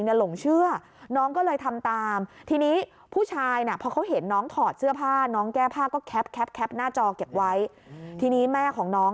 เติมตังค่าเน็ตให้